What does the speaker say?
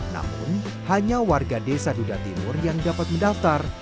namun hanya warga desa dudatimur yang dapat mendaftar